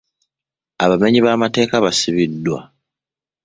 Abamenyi b'amateeka basibiddwa.